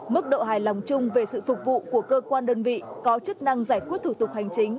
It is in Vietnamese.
mức độ hài lòng chung về sự phục vụ của cơ quan đơn vị có chức năng giải quyết thủ tục hành chính